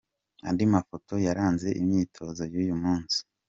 Andi mafoto yaranze imyitozo y’uyu munsi.